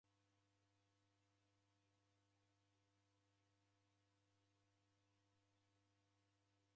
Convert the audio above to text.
Kusekaie andu kusena sere aw'ai wapo